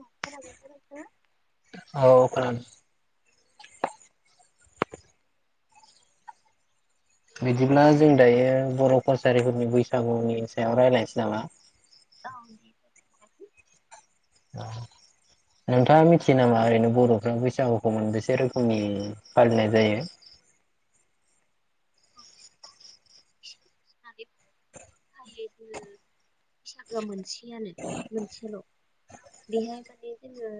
औ खोनादोंना नोंथांङा? औ खोनादों बिदिब्ला जों दायो बर' करासारिफोरनि बैसागुनि सायाव रायज्लायनोसै नामा? औ। नोंथा मिथियो नामा ओरैनो बर'फ्रा बैसागुखौ मोनबेसे रोखोमनि फालिनाय जायो? [inaudible] [unintelligible] बैसागो आ मोनसेयानो मोनसेल'। बेहाय माने जोङो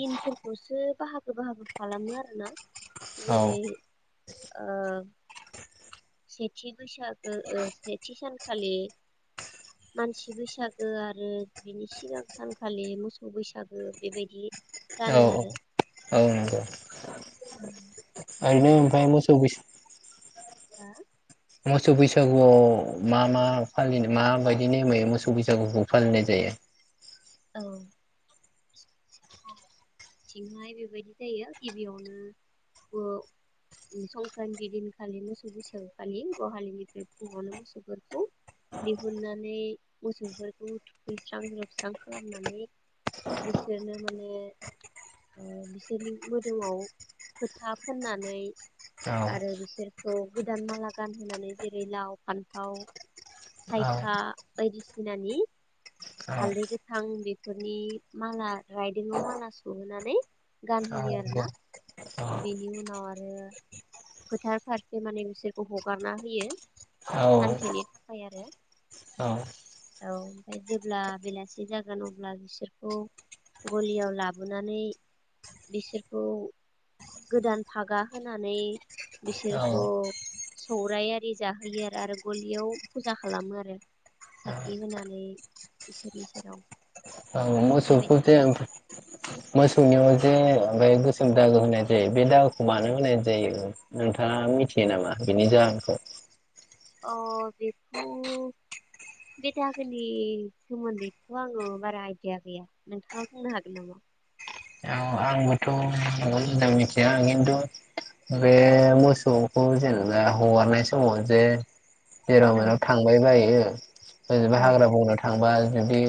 दिनफोरखौसो बाहागो बाहागो खालामो आरोना। औ जरै ओ सेथि। बैसागो ओ सेथि सान खालि मानसि बैसागो आरो बिनि सिगां सानखालि मोसौ बैसागो बेबायदि। रानो औ आरो औ औ ओम, [unintelligible] अनगायै मोसौ बैसागु हा। मोसौ बैसागुआव मा मा फालिनो माबायदि नेमै मोसौ बैसागुखौ फालिनाय जायो? औ थिंहाय बेबायदि जायो गिबियावनो ओ संक्रान्ति दिनखालि मोसौ बैसागखालि गहालिनिफ्राय फुङावनो मोसौफोरखौ दिहुननानै मोसौफोरखौ थुखैस्रां लोब स्रां खालामनानै बिसोरनो माने ओ बिसोरनि मोदोमाव फोथा फोननानै औ आरो बिसोरखौ गोदान माला गानहोनानै जेरै लाव फान्थाव औ थाइखा बायदिसिनानि औ हालदै गो थां बेफोरनि माला राइदोंंआव माला सहोनानै गानहोयो नंगौ आरोना औ बेनि उनाव आरो फोथार फारसे माने बिसोरखौ हगारना होयो औ सानसेनि थाखाय आरो औ ओमफाय जेब्ला बेलासि। सि जागोन अब्ला बिसोरखौ गलियाव लाबोनानै बिसोरखौ गोदान फागा होनानै औ बिसोरखौ सौराय आरि जाहोयो आरो आरो गलियाव फुजा खालामो आरो साखि होनानै बिसोरनि। औ [unintelligible] मोसौखौ जे खालामो मोसौनियाव। जे गोसोम दागो होनाय जायो बे दागोखौ मानो होनाय जायो नोंथाङा मिथियो नामा बेनि जाहोनखौ। अ बेखौ बे दागोनि सोमोन्दैथ' आङो बारा आइडिया गैया नोंथाङा बुंनो हागोन नामा। औ आंबोथ' नंगौ मोजां मिथिया खिन्थु बे मोसौखौ जेनेबा हगारनाय समाव जे। जेराव औ मेनाव थांबाय बायो। [unintelligible] बैबा औ हाग्रा बंनो थांबाय। जुदि।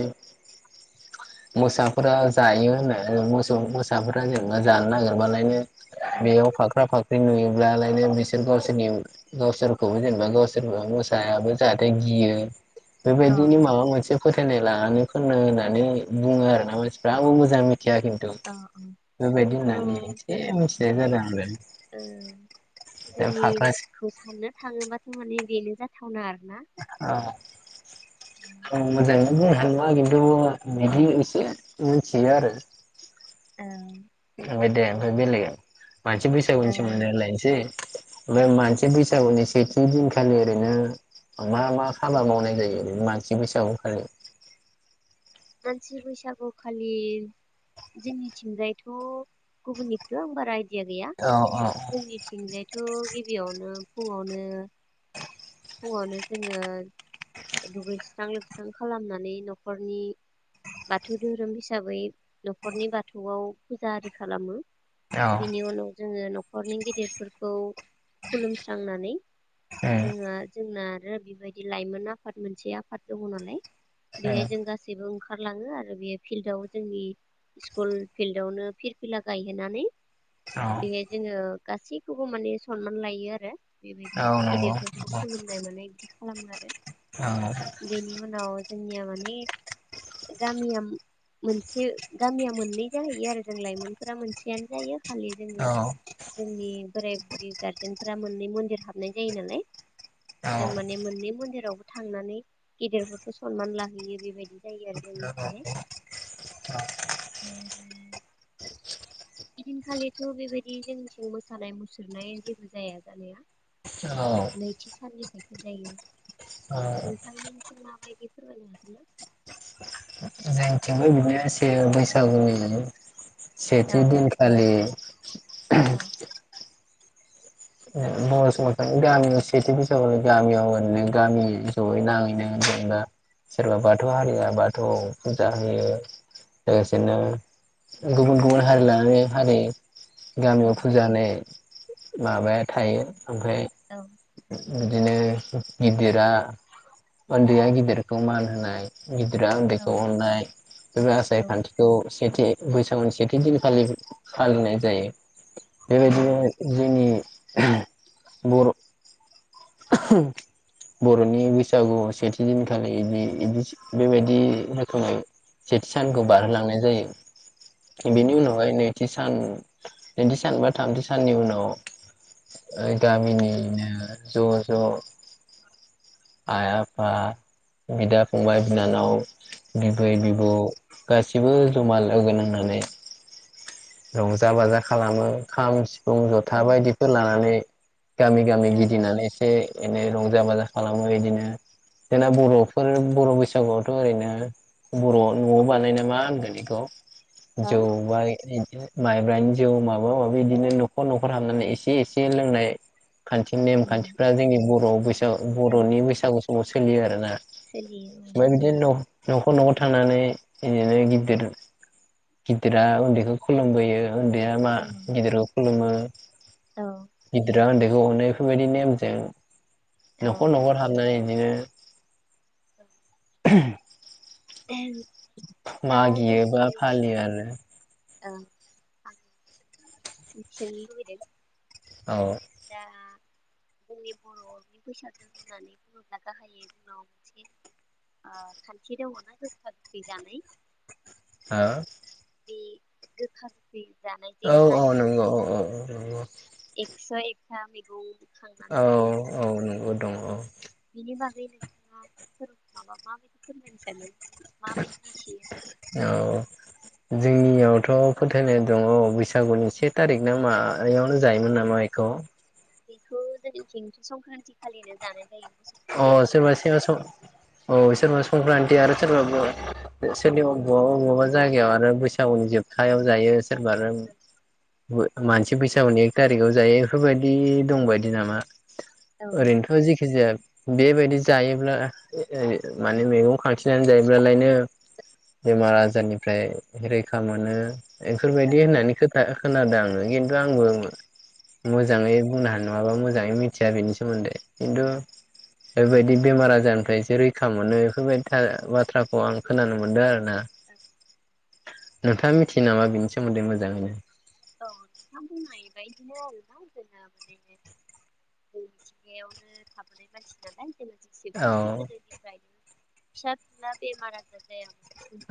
मोसाफोरा जायो होनो मोसौ मोसाफोरा [unintelligible] जानो नागिरबालायनो। औ बेयाव फाख्रा फाख नुयोब्लालायनो बिसोर गावसोरनि गावसोरखौबो जेनेबा गावसोरखौ मोसायाबो जाहाथे गियो। औ बेबायदिनि माबा मोनसे। फोथायनाय लानानै खननो होनानै बुङो आरो ना मानसिफ्रा आंबो मोजां मि थिया खिन्थु औ औ बेबायदि औ होननानै एसे मिथिनाय बेबाय जादों आरो औ द फाख्रा गोदोनिखौ साननो थाङोबाथ' माने बेनो जाथावना आरोना [unintelligible] औ मोजाय बुंनो हया खिन्थु बिदिनो एसे मिथियो आरो ओ माय दे ओमफ्राय बेलग मानसि फैसागुनि सोमोन्दै रायलायसै बे मानसि बैसागुनि सेथि दिनखालि ओरैनो मा मा हाबा मावनाय जायो ओरैनो मानसि बैसागु खालि मानसि बैसागु खालि जोंनिथिंजायथ' गुबुननिखौथ' आं बारा दिया गैया औ औ जोंनिथिंजायथ' गिबियावनो फुङावनो फुङावनो जोङो दुगैस्रां लोबस्रां खालामनानै न'खरनि बाथौ धोरोम हिसाबै न'खरनि बाथौआव फुजा आरि खालामो औ बिनि उनाव जोङो नख हरनि गेदेरफोरखौ खुलुमस्रांनानै जोंङो जोंना आरो बेबायदि लाइमोन आफाद मोनसे आफाद दङ नालाय बेहाय जों गासैबोओं ओंखारलाङो आरो बे फिल्डआव जोंनि स्कुल फिल्डआवनो फिरफिला गायहोनानै औ बेहाय जोङो गासैखौबो माने सनमान लायो आरो बेबायदि औ नंगौ गिदिरफोरखौ खुलुमनाय मानाय बिदि खालामो आरो बेनि उनाव जोंनिया माने गामिया मोनसे गामिया मोननै जाहैयो आरो जों लाइमोनफोरा मोनसेयानो जायो खालि औ जोङो जोंनि बोराय बुरि गार्जेनफोरा मोननै मन्दिर हाबनाय जायो नालाय औ जों माने मोननै मन्दिरावबो थांनानै गेदेरफोरखौ सनमान लाहैयो बेबायदि जायो आरो जोंनि थिंजाय ओमफाय आरो एदिनखालिथ' बेबायदि जोंनिथिं मोसानाय मुसुरनाय जेबो जाया जानाया नैथि साननि जायो आ मा बायदि फोरमानो हागोना जोंथिंबो [unintelligible] से बैसागुनि माने औ सेथिदिन खालि औ [unintelligible] बर' समाजावनो गामियाव सेथि बैसागुनि गामियाव ओरैनो गामि जयै नाङैनो जेनेबा सोरबा बाथौ हारिया बाथौआव फुजा होयो लोगोसेनो गुबुन गुबुन हारि लानानै हारि औ गामियाव फुजा होनाय [inaudible] माबाया थायो। ओमफाय बिदिनो गिदिरा उन्दैया गिदिरखौ मान होनाय। गिदिरा औ उन्दैखौ अननाय [unintelligible] औ आसार खान्थिखौ सेथि बैसागुनि सेथि दिनखालि फालिनाय जायो। औ बेबायदिनो जोंनि बर' [unintelligible] बर'नि बैसागु सेथि दिनखालि इदि इदि बेबायदि होखोमायो। सेथि सानखौ औ बारहोलांनाय जायो। बिनि उनावहाय नै थि सान नैथि सान बा थामथि साननि उनाव ओ गामिनिनो ज' ज' [inaudible] आइ आफा, बिदा फंबाय बिनानाव बिबै औ औ बिबौ गासिबो जमा लोगो नांनानै रंजा बाजा खालामो, खाम सि फुं औ जथा बायदिफो लानानै गामि गामि औ गिदिंनानै एसे दिनो रंजा बाजा खालामो इदिनो जोंना बर'फोर बर' बैसागुआवथ' ओरैनो बर' न'आव बानायना मा होनगोन एखौ? हा जौ बा इ माइब्रानि जौ माबा माबि इदिनो न'खर न'खर हाबनानै एसे एसे लोंनाय खान्थि नेम औ खान्थिफ्रा जोंनि बर' बैसा औ बर'नि बैसागु समाज सोलियो आरोना। सोलियो औ। ओमफ्राय बिदिनो न'खर न'खर थांनानै इदिनो गिददिर गिददिरा उन्दैखौ खुलुमबोयो उन्दैया मा औ गिदिरखौ खुलुमो। औ [inaudible] गिददिरा ओन्दै औ नो बेफोरबायदि नेमजों औ नखर नखर हाबनानै बिदिनो औ [unintelligible] दा मागियो बा फालियो आरो। ओं। सो-सोंथि सोंनो लुबैदों। औ। दा जोंनि बर'नि बैसागो होननानै बुङोब्ला गाहायै जोंनाव मोनसे ओ खान्थि दङ ना, गोखा गोखै जानाय। हो? बे गोखा जानाय जे औ होननानै अह नंग' अह अह अह नंग'। एकस' एकथा मैगं औ खांनानै जे जों औ नंगौ दङ औ। जे नोंथाङा फोर माबा माबायदि फोरमायनो सानो? माबायदि मिथियो? औ जोंनियावथ' फोथायनाय दङ बैसागुनि से तारिक ना मायावनो जायोमोन नामा इख'? बेखौ जोंनिथिं संक्रान्ति खालिनो जानाय जायो मोसौ अह थुखै सोरबा खालिनो सेबा स अह सोरबा संक्रान्ति आरो सोरबा बुङो सोरनिबा बवाबा बवाबा जायगायाव आरो बैसागुनि जोबथायाव जायो औ सोरबा रों मानसि बैसागुनि एक तारिगाव जायो बेफोरबायदि दंबायदि नामा? औ ओरैनोथ' जिखिजाया बेबायदि जायोब्ला ए ऐ माने मैगं खांथिंनानै जायोब्लालायनो बेमार आजारनिफ्राय रैखा मोनो। बेफोरबायदि होननानै खो खा खोनादों आं खिन्थु आंबो औ मोजाङै बुंनो हानाय नङा बा मोजाङै मिथिया बेनि सोमोन्दै। खिन्थु औ बेबायदि बेमार आजारनिफ्राय एसे रैखा मोनो बेफोरबायदि थार बाथ्राखौ आं खोनानो मोनदों आरोना। [inaudible] नोंथाङा मिथियो नामा बिनि सोमोन्दै मोजाङैनो? औ नोंथां बुंनाय बायदिनो आरोना जोङो माने जों मिथिंगायावनो थाबोनाय मानसि नालाय। जोङो जेसेबांखि औ। गोदोनिफ्रायनो फिसा फिनला बेमार आजार जाया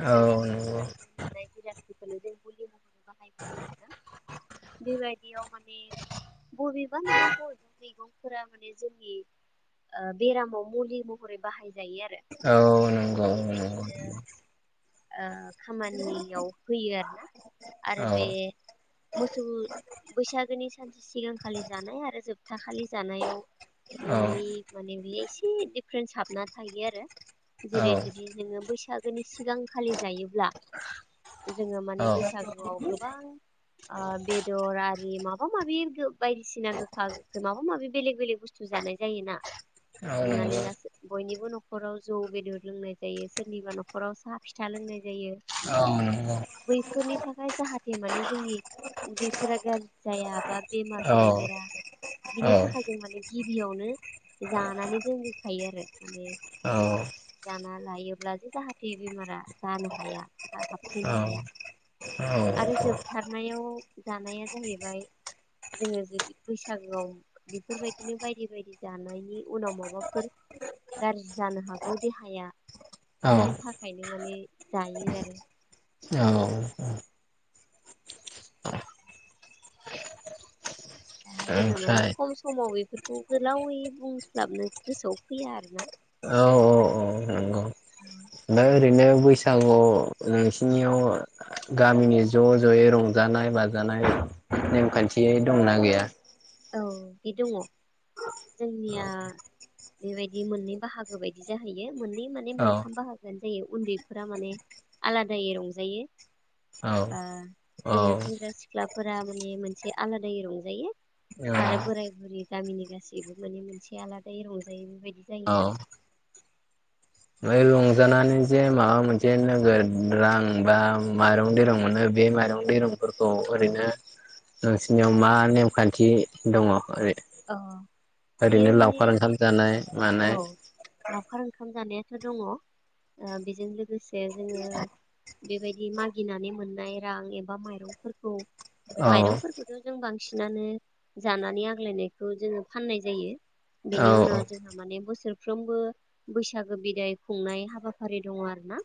औ मोननाय जिरादफोर [unintelligible] बाहायनो सानदों। बेबायदियाव माने बबेबा नङा बबेबा मैगंफोरा माने जोंनि ओ बेरामाव मुलि महरै बाहाय औ नोंग' नोंग' नोंथां औ। ओ खामानियाव होयो आरोना आरो औ बे मोसौ बैसागोनि सान सिगांखालि जानाय आरो जोबथा खालि जानायाव औ मोननै माने बेयो एसे दि फ्रेनसाबना थायो आरो औ जेरै जुदि नोङो बैसागो सिगांखालि जायोब्ला जोङो माने औ बैसागुआव गोबां आ बेेदर आरि माबा माबि बायदिसिना गोखा गोखै माबा माबि बेलेग बेलेग बुस्थु जानाय जायो ना औ हमनानै नंगौ दास बयनिबो न' न'खराव जौ बेदर लोंनाय जायो सोरनिबा न'खराव साह फिथा लोंनाय जायो औ नंगौ बैफोरनि थाखाय जाहाथे माने जोंनि उदैफोरा गाज्रिजाया बा बेमार औ सनदेरा औ बिनि थाखाय जों माने गिबियावनो जानानै दोनग्रो खायो आरो माने ना लायोब्ला जे जाहाथे बेमारा जानो हाया हाबफैनो हाया औ औ याव जानाया जाहैबाय जोङो जुदि बैसागोआव बेफोरबायदिनो बायदि बायदि जानायनि उनाव माबाफोर गाज्रि जानो हागौ देहाया बैनि थाखाय माने जायो आरो औ दा जोङो माने ओमफ्राय खम समाव बेफोर बेखौ गोलावै बुंस्लाबनो गोसोआव फैया आरोना औ औ बा ओरैनो बैसागुआव नोंसिनियाव गामिनि ज' ज'यै रंजानाय बाजानाय नेमखान्थि दंना गैया औ बे दङ औ जोंनिया बेबायदि मोननै बाहागो बायदि जाहैयो मोननै माने औ मोनथाम बाहागो जायो उन्दैफोरा माने आलादायै रंजायो औ ओ औ जोङो सेंग्रा सिख्लाफोरा माने मोनसे आलादायै रंजायो आरो बोराय बुरि गामिनि गासैबो माने मोनसे आलादायै रंजायो बेबायदि बिदि जायो आरो ओमफ्राय रंजानानै जे माबा मोनसे नोगोर रां बा माइरं दैरं मोनो बे माइरं दैरंफोरखौ ओरैनो नोंसोरनियाव मा नेमखान्थि दङ ओरै अ बियो ओरैनो माने लावखार ओंखाम जानाय मानाय खार ओंखाम जानायाथ' दङ ओ बेजों लोगोसे जोङो बेबायदि मागिनानै मोननाय रां एबा माइरंफोरखौ औ माइरंफोरखौथ' जों बांसिन बांसिनानो जानानै आग्लायनाय खौ जोङो फाननाय जायो औ बिनि उनाव जोंहा माने बोसोर फ्रोमबो बैसागो बिदाय खुंनाय हाबाफारि दङ आरो ना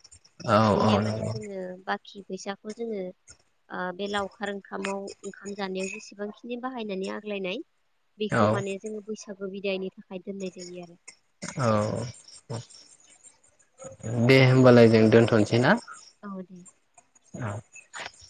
औ औ बेहाय माने नंगौ जोङो बाथ फैसाखौ जोङो ओ बे लावखार ओंखामाव ओंखाम जानायाव जेसेबांखिनि बाहायनानै आग्लायनाय औ बेखौ माने जोङो बैसागु बिदायनि थाखाय दोननाय जायो आरो औ दे होमबालाय जों दोनथनोसै ना औ दे [inaudible]